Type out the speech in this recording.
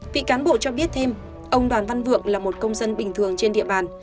vị cán bộ cho biết thêm ông đoàn văn vượng là một công dân bình thường trên địa bàn